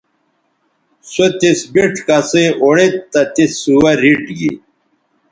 سو تس بِڇ کسئ اوڑید تہ تس سوہ ریٹ گی